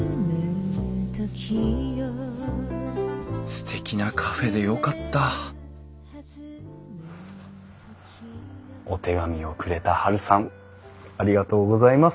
すてきなカフェでよかったお手紙をくれたはるさんありがとうございます。